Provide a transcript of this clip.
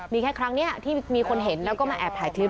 มีแค่ครั้งนี้ที่มีคนเห็นแล้วก็มาแอบถ่ายคลิป